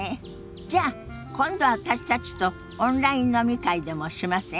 じゃ今度私たちとオンライン飲み会でもしません？